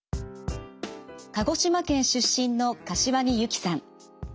鹿児島県出身の柏木由紀さん。